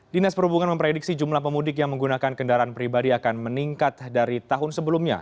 dinas perhubungan memprediksi jumlah pemudik yang menggunakan kendaraan pribadi akan meningkat dari tahun sebelumnya